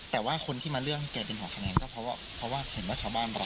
แต่ว่าคนที่มาเรื่องให้แกเป็นหัวคะแนนก็เพราะว่าเห็นว่าชาวบ้านร้อง